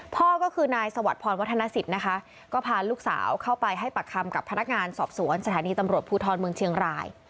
พ่อก็คือนายสวัสดิพรวัฒนสิทธิ์นะคะก็พาลูกสาวเข้าไปให้ปากคำกับพนักงานสอบสวนสถานีตำรวจภูทรเมืองเชียงราย